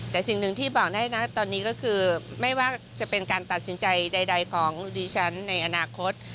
แต่สิ่งหนึ่งที่บอกได้นะตอนนี้ก็คือไม่ว่าจะเป็นการตัดสินใจใดของดิฉันในอนาคต